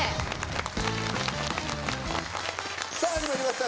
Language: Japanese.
さぁ始まりました